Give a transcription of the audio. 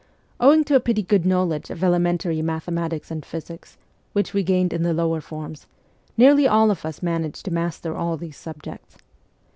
Owing to a pretty THE CORPS OF PAGES 137 good knowledge of elementary mathematics and physics, which we gained in the lower forms, nearly all of us managed to master all these subjects.